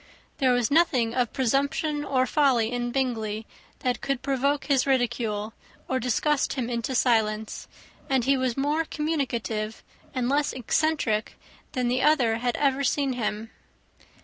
There was nothing of presumption or folly in Bingley that could provoke his ridicule, or disgust him into silence; and he was more communicative, and less eccentric, than the other had ever seen him.